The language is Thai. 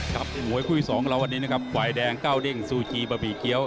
กับโหยคู่ที่สองกันแล้ววันนี้นะครับไฟแดงเก้าเด้งซูจิบะหมี่เกี๊ยว